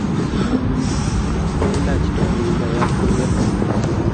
Kikailach tom ye kikayaat kurket